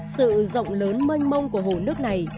sự rộng lớn mênh mông của hồ nước này